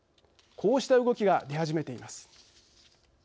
こうした動きが出始めています。